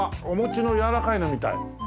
お餅のやわらかいのみたい。